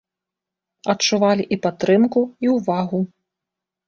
Адчувалі і падтрымку, і ўвагу.